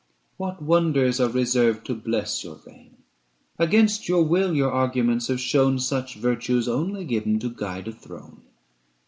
What wonders are reserved to bless your reign ! Against your will your arguments have shown, Such virtue's only given to guide a throne.